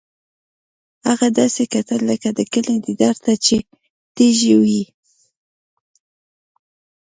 هغه داسې کتل لکه د کلي دیدار ته چې تږی وي